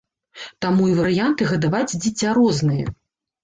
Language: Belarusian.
Таму і варыянты гадаваць дзіця розныя.